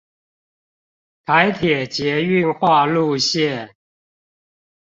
台鐵捷運化路線